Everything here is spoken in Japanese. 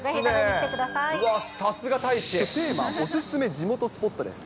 きょうテーマ、お勧め地元スポットです。